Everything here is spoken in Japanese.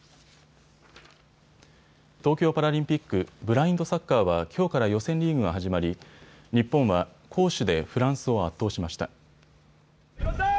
東京パラリンピック、ブラインドサッカーはきょうから予選リーグが始まり日本は攻守でフランスを圧倒しました。